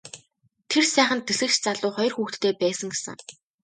Тэр сайхан дэслэгч залуу хоёр хүүхэдтэй байсан гэсэн.